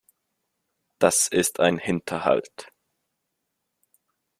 Das ist ein Hinterhalt.